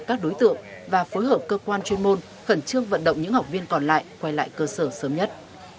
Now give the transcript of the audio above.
các đối tượng và phối hợp cơ quan chuyên môn khẩn trương vận động những học viên còn lại quay lại cơ sở sớm nhất